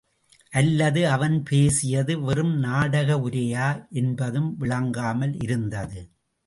அல்லது அவன் பேசியது வெறும் நாடக உரையா என்பதும் விளங்காமல் இருந்தது.